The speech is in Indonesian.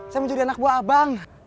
saya mau jadi anak buah abang